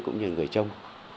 cũng như người trông